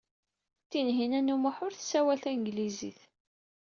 Tinhinan u Muḥ ur tessawal tanglizit.